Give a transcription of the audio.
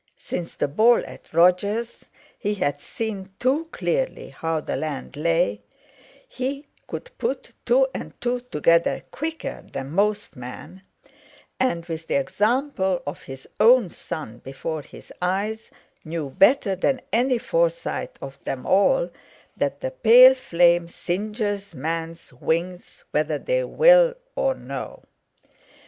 Since the ball at Roger's he had seen too clearly how the land lay—he could put two and two together quicker than most men—and, with the example of his own son before his eyes, knew better than any Forsyte of them all that the pale flame singes men's wings whether they will or no.